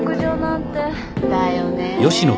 だよねー。